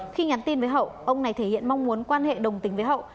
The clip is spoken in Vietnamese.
khi nhắn tin với hậu ông này thể hiện mong muốn quan hệ đồng tình với hậu